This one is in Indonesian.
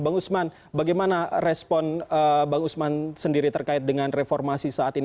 bang usman bagaimana respon bang usman sendiri terkait dengan reformasi saat ini